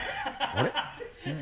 あれ？